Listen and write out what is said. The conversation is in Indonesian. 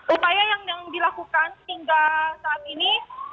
upaya yang dilakukan hingga saat ini